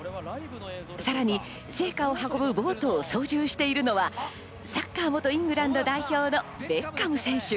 さらに聖火を運ぶボートを操縦しているのは、サッカー元イングランド代表のベッカム選手。